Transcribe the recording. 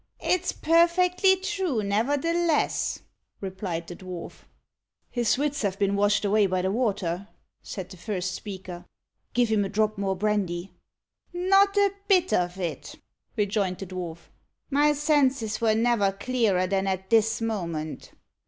"It's perfectly true, nevertheless," replied the dwarf. "His wits have been washed away by the water," said the first speaker. "Give him a drop more brandy." "Not a bit of it," rejoined the dwarf; "my senses were never clearer than at this moment.